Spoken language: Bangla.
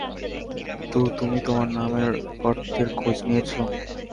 তো তুমি তোমার নামের অর্থের খোঁজ নিয়েছ?